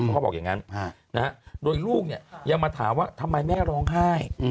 เขาบอกอย่างนั้นโดยลูกเนี่ยยังมาถามว่าทำไมแม่ร้องไห้